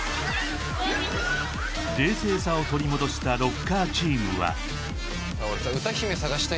冷静さを取り戻したロッカーチームはいや